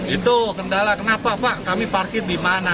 itu kendala kenapa pak kami parkir di mana